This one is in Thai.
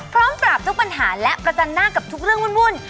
พร้อมปราบทุกปัญหาและประจันหน้ากับทุกเรื่องวุ่น